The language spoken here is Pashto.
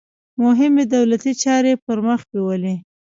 مهمې دولتي چارې پرمخ بیولې.